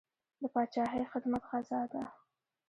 د پاچاهۍ خدمت غزا ده.